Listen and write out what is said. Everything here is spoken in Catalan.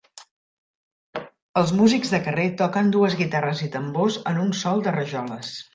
Els músics de carrer toquen dues guitarres i tambors en un sòl de rajoles.